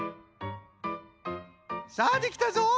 さあできたぞ。